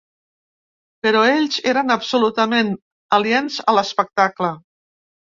Però ells eren absolutament aliens a l’espectacle.